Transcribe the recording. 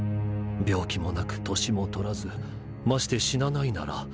病気もなく年も取らずまして死なないなら